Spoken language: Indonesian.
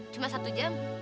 cuma satu jam